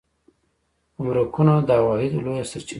ګمرکونه د عوایدو لویه سرچینه ده